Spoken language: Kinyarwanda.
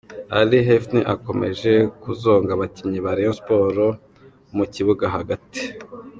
' Aly Hefny akomeje kuzonga abakinnyi ba Rayon Sports mu kibuga hagati.